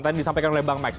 tadi disampaikan oleh bang max